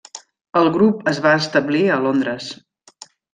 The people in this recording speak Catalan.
El grup es va establir a Londres.